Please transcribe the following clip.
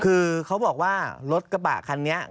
คือเขาบอกว่ารถกระบะคันนี้